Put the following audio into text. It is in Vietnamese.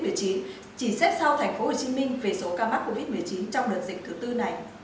chỉ xếp sau tp hcm về số ca mắc covid một mươi chín trong đợt dịch thứ tư này